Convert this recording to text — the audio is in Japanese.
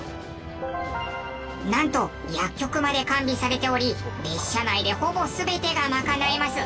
なんと薬局まで完備されており列車内でほぼ全てが賄えます。